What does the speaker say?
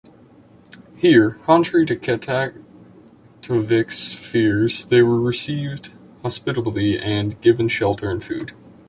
Here, contrary to Kataktovik's fears, they were received hospitably, and given shelter and food.